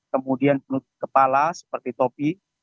kemudian penutup kepala seperti topi